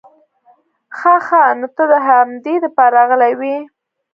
خه خه نو ته د همدې د پاره راغلې وې؟